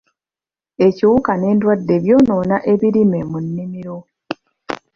Ebiwuka n'endwadde byonoona ebirime mu nnimiro.